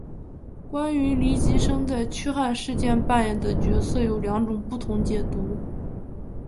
关于黎吉生在驱汉事件扮演的角色有两种不同解读。